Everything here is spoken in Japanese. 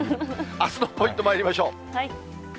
あすのポイントまいりましょう。